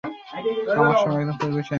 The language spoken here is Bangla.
আমার স্বামী একজন পরিবেশ আইনজীবী।